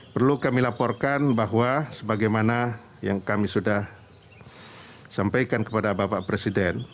perlu kami laporkan bahwa sebagaimana yang kami sudah sampaikan kepada bapak presiden